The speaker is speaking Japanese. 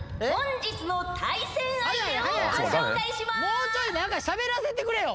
もうちょい何かしゃべらせてくれよ。